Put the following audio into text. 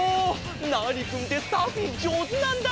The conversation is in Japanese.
ナーニくんってサーフィンじょうずなんだ！